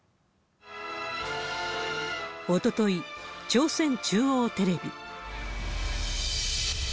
おととい、朝鮮中央テレビ。